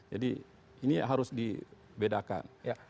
jadi ini harus dibedakan